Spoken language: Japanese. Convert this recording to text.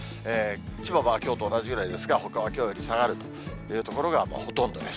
千葉はきょうと同じぐらいですが、ほかはきょうより下がるという所がほとんどです。